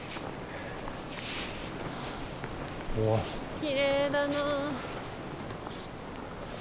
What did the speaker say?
きれいだな。